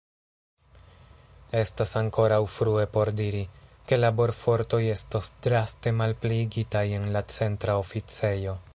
Estas ankoraŭ frue por diri, ke laborfortoj estos draste malpliigitaj en la Centra Oficejo.